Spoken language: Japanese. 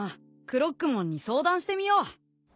クロックモンに相談してみよう。